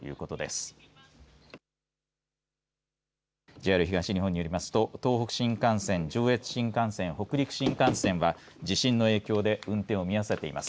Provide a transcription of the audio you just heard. ＪＲ東日本によりますと東北新幹線上越新幹線、北陸新幹線は地震の影響で運転を見合わせています。